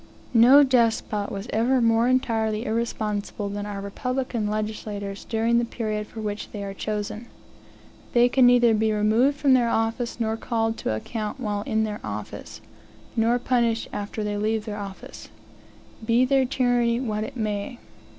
No despot was ever more entirely irresponsible than are republican legislators during the period for which they are chosen. They can neither, be removed from their office, nor called to account while in their office, nor punished after they leave their office, be their tyranny what it may.